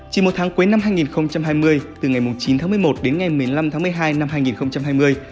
chỉ một tháng cuối năm hai nghìn hai mươi từ ngày chín tháng một mươi một đến ngày một mươi năm tháng một mươi hai năm hai nghìn hai mươi